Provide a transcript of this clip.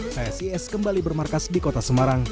psis kembali bermarkas di kota semarang